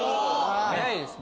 早いですね。